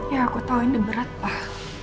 ya aku tahu ini berat lah